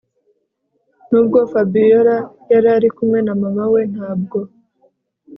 Nubwo Fabiora yarari kumwe na mama we ntabwo